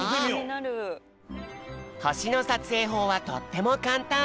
ほしのさつえいほうはとってもかんたん。